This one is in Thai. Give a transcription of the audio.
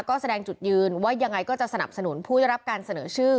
ก็แสดงจุดยืนว่ายังไงก็จะสนับสนุนผู้ได้รับการเสนอชื่อ